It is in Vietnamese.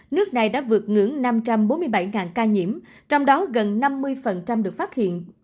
nước này đã vượt ngưỡng năm trăm bốn mươi bảy ca nhiễm trong đó gần năm mươi được phát hiện